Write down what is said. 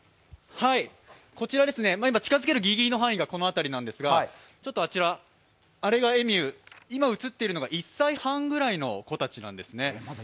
こちら、近づけるギリギリの範囲がこの辺りなんですがあれがエミュー、今映っているのが１歳半ぐらちいの子たちなんですね。